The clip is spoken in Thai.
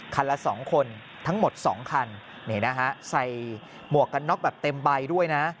คันละ๒คนทั้งหมด๒คันนี้นะฮะใส่หมวกกั้นน็อกฝนแบบเต็มใบด้วยนะ